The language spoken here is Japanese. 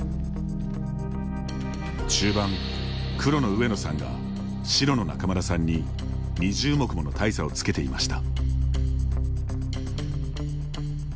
中盤黒の上野さんが白の仲邑さんに２０目もの大差をつけていました。